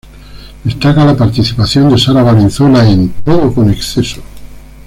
Destaca la participación de Sara Valenzuela en "Todo con exceso".